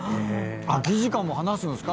空き時間も話すんすか？